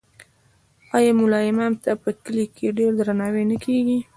آیا ملا امام ته په کلي کې ډیر درناوی نه کیږي؟